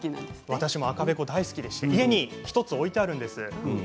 私も大好きで家に１つ置いてあるんです。